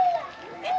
えっ？